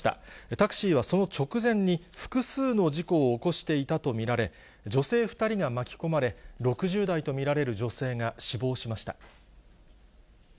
タクシーはその直前に、複数の事故を起こしていたと見られ、女性２人が巻き込まれ、６０代と見られる女性が死亡しました。